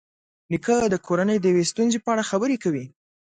نیکه د کورنۍ د یوې ستونزې په اړه خبرې کوي.